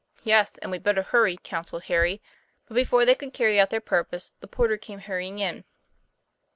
'Yes; and we'd better hurry," counselled Harry. But before they could carry out their purpose, the porter came hurrying in.